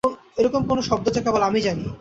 এরকম কোনো শব্দ যা কেবল আমি জানি।